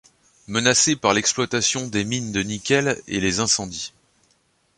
Menacé par l’exploitation des mines de Nickel et les incendies.